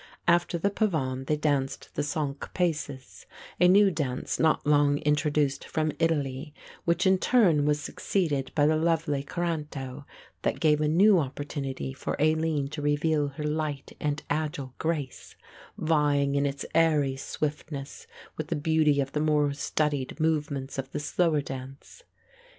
After the pavan they danced the cinque paces, a new dance not long introduced from Italy, which in turn was succeeded by the lively coranto, that gave a new opportunity for Aline to reveal her light and agile grace, vying in its airy swiftness with the beauty of the more studied movements of the slower dance.